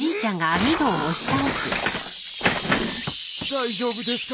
大丈夫ですか？